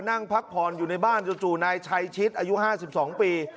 นั่งพักผ่อนอยู่ในบ้านจู่นายชายชิดอายุห้าสิบสองปี